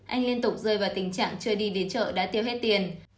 anh liên tục rơi vào tình trạng chơi đi đến chợ đã tiêu hết tiền